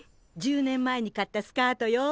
１０年前に買ったスカートよ。